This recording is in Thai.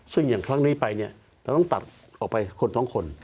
ซึ่งทีนี้ไปเนี่ยเราต้องตัดออกไปคนคน